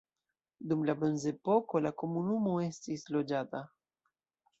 Dum la bronzepoko la komunumo estis loĝata.